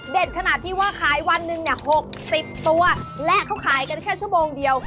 ขนาดที่ว่าขายวันหนึ่งเนี่ย๖๐ตัวและเขาขายกันแค่ชั่วโมงเดียว